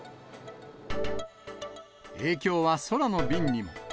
影響は空の便にも。